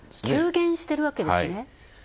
急減してるわけですね。